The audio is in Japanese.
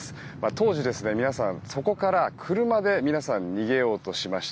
当時、皆さんそこから車で逃げようとしました。